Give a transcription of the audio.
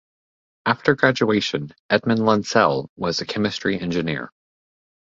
After graduation Edmond Lancel was chemistry engineer.